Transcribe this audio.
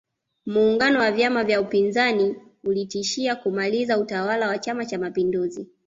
muungano wa vyama vya upinzani ulitishia kumaliza utawala wa chama cha mapinduzi